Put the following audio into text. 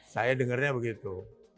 saya dengarnya begitu